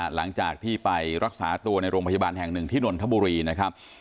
หลังจากที่ไปรักษาตัวในโรงพยาบาลแห่งหนึ่งที่นนทบุรีนะครับ